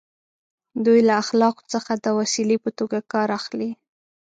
دوی له اخلاقو څخه د وسیلې په توګه کار اخلي.